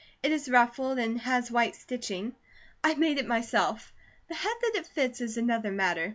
It is ruffled, and has white stitching. I made it myself. The head that it fits is another matter.